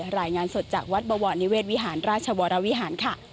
รายงานสดจากวัดบวรนิเวศวิหารราชวรวิหารค่ะ